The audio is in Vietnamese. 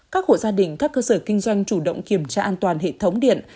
các hộ gia đình các cơ sở kinh doanh chủ động kiểm tra an toàn hệ thống điện